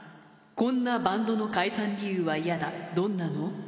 こんなバンドの解散理由はイヤだどんなの？